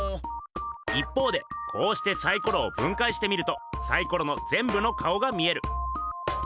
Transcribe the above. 一方でこうしてサイコロをぶんかいしてみるとサイコロのぜんぶの顔が見える。